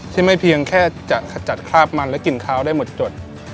ที่ไม่เพียงแค่จะขจัดคราบมันและกลิ่นข้าวได้หมดจด